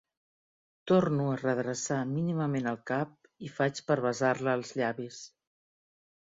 Torno a redreçar mínimament el cap i faig per besar-la als llavis.